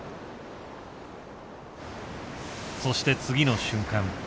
そして次の瞬間